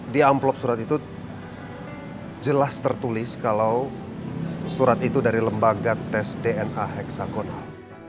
di amplop surat itu jelas tertulis kalau surat itu dari lembaga tes dna heksagonal